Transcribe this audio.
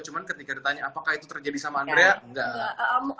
cuma ketika ditanya apakah itu terjadi sama andrea enggak